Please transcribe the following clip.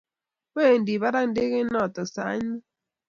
Wendi barak ndega notok sait mut